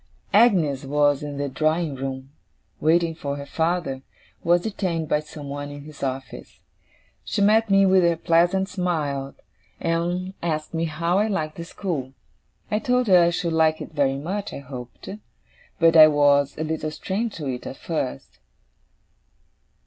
Agnes was in the drawing room, waiting for her father, who was detained by someone in his office. She met me with her pleasant smile, and asked me how I liked the school. I told her I should like it very much, I hoped; but I was a little strange to it at first.